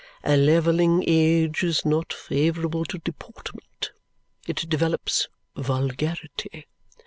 "A levelling age is not favourable to deportment. It develops vulgarity.